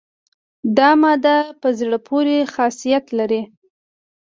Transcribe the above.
دا ماده په زړه پورې خاصیت لري.